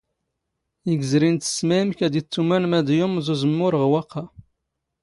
ⵉⴳ ⵣⵔⵉⵏⵜ ⵙⵙⵎⴰⵢⵎ ⴽⴰ ⴰⴷ ⵉⵜⵜⵓⵎⴰⵏ ⵎⴰⴷ ⵢⵓⵎⵥ ⵓⵣⵎⵎⵓⵔ ⵖ ⵡⴰⵇⵇⴰ.